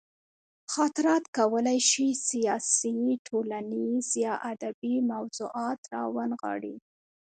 خاطرات کولی شي سیاسي، ټولنیز یا ادبي موضوعات راونغاړي.